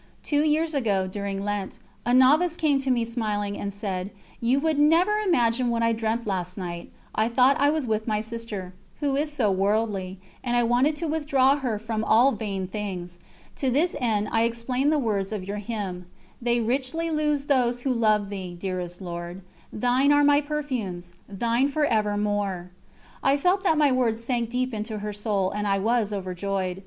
Two years ago, during Lent, a novice came to me smiling, and said: "You would never imagine what I dreamt last night I thought I was with my sister, who is so worldly, and I wanted to withdraw her from all vain things; to this end I explained the words of your hymn: 'They richly lose who love Thee, dearest Lord; Thine are my perfumes, Thine for evermore.' I felt that my words sank deep into her soul, and I was overjoyed.